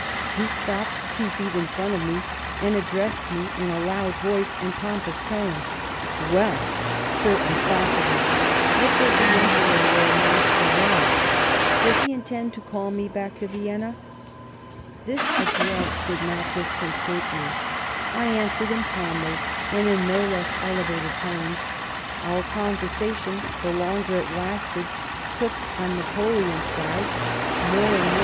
He stopped two feet in front of me and addressed me in a loud voice and pompous tone :' Well, Sir Ambassador, what does the Emperor, your master, want — does he intend to call me back to Vienna ?' This address did not disconcert me ; I answered him calmly, and in no less elevated tones. Our conversation, the longer it lasted, took, on Napoleon's side, more and more TEE EMBASSY TO PARIS.